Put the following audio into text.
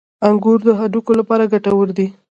• انګور د هډوکو لپاره ګټور دي.